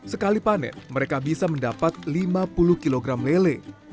sekali panen mereka bisa mendapat lima puluh kg lele